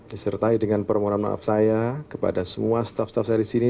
disertai dengan permohonan maaf saya kepada semua staff staff saya di sini